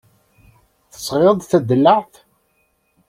Tesɣiḍ-d tadellaɛt?